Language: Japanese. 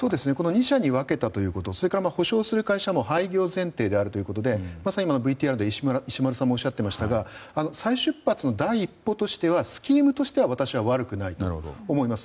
２社に分けたということそれから、補償する会社も廃業前提であるということでまさに今のＶＴＲで石丸さんもおっしゃっていましたが再出発の第一歩としてはスキームとしては私は悪くないと思います。